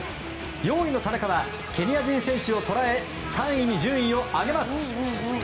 ４位の田中はケニア人選手を捉え３位に順位を上げます。